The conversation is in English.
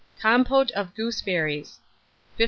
COMPOTE OF GOOSEBERRIES. 1546.